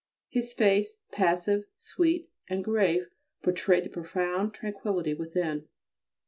His face, passive, sweet, and grave, portrayed the profound tranquility within.